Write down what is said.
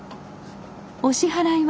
お支払いは？